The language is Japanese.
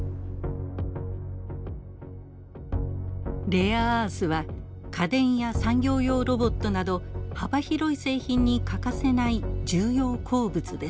レアアースは家電や産業用ロボットなど幅広い製品に欠かせない重要鉱物です。